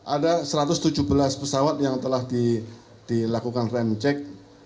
ada satu ratus tujuh belas pesawat yang telah dilakukan rem cek